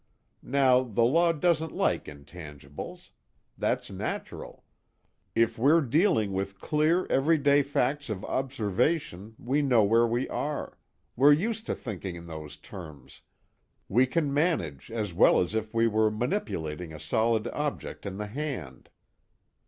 Now, the law doesn't like intangibles. That's natural. If we're dealing with clear, everyday facts of observation we know where we are, we're used to thinking in those terms, we can manage as well as if we were manipulating a solid object in the hand.